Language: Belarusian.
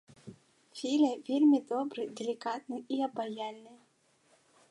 Філя вельмі добры, далікатны і абаяльны.